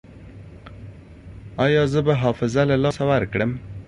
ایا زه به حافظه له لاسه ورکړم؟